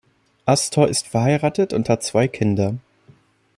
Astor ist verheiratet und hat zwei Kinder.